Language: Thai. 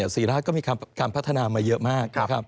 ศรีราชก็มีการพัฒนามาเยอะมากนะครับ